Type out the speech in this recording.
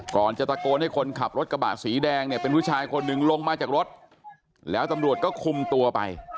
ก่อนจะตะโกนให้คนขับรถกระบะสีแดงเนี่ยเป็นผู้ชายคนหนึ่งลงมาจากรถแล้วตำรวจก็คุมตัวไป